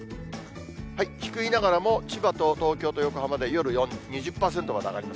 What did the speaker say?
低いながらも、千葉と東京と横浜で夜２０％まで上がります。